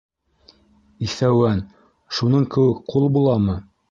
—Иҫәүән, шуның кеүек ҡул буламы?